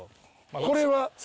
これは？